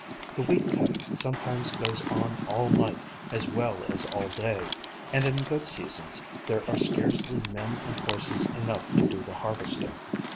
The wheat cutting sometimes goes on all night as well as all day, and in good seasons there are scarcely men and horses enough to do the harvesting.